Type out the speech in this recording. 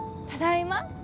ただいま。